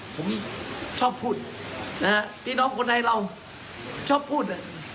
ผมชอบพูดนะฮะพี่น้องคนไทยเราชอบพูด